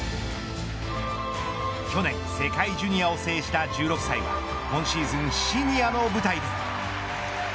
去年、世界ジュニアを制した１６歳は今シーズンシニアの舞台で。